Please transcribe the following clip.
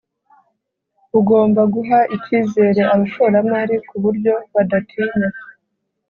bugomba guha icyizere abashoramari ku buryo badatinya